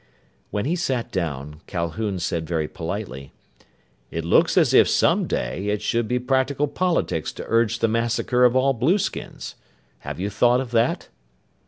When he sat down, Calhoun said very politely, "It looks as if some day it should be practical politics to urge the massacre of all blueskins. Have you thought of that?"